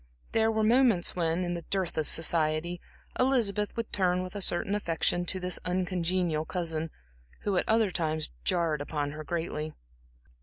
There were moments when, in the dearth of society, Elizabeth would turn with a certain affection to this uncongenial cousin, who at other times jarred upon her greatly.